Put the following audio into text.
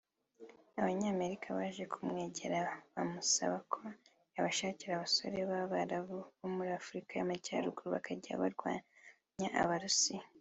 Abanyamerika baje kumwegera bamusaba ko yabashakira abasore b’abarabu bo muri Afurika y’Amajyaruguru bakajya kurwanya Abarusiya